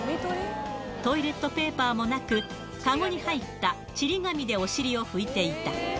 トイレットペーパーもなく、籠に入ったちり紙でお尻を拭いていた。